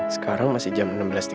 sekarang masih jam enam belas tiga puluh